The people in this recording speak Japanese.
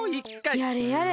やれやれ。